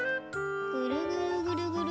ぐるぐるぐるぐる。